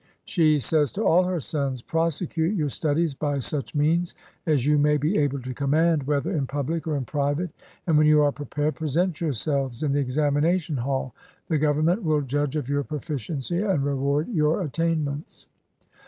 She says to all her sons, "Prosecute your studies by such means as you may be able to command, whether in public or in private; and, when you are prepared, present yourselves in the examination hall. The Gov ernment will judge of your proficiency and reward your attainments."